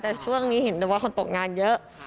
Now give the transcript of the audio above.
แต่ช่วงนี้เห็นแต่ว่าคนตกงานเยอะ